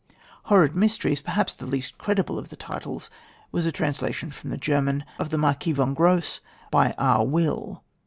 Horrid Mysteries, perhaps the least credible of the titles, was a translation from the German of the Marquis von Grosse by R. Will.